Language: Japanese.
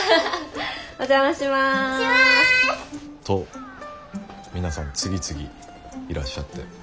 と皆さん次々いらっしゃって。